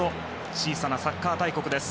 小さなサッカー大国です。